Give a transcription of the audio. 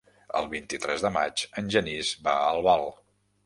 El vint-i-tres de maig en Genís va a Albal.